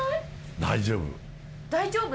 大丈夫。